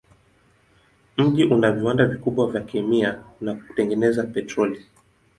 Mji una viwanda vikubwa vya kemia na kutengeneza petroli.